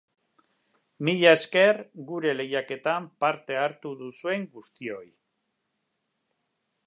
Mila esker gure lehiaketan parte hartu duzuen guztioi!